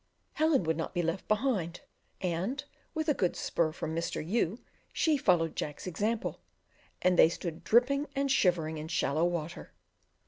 Helen would not be left behind, and, with a good spur from Mr. U , she followed Jack's example, and they stood dripping and shivering in shallow water.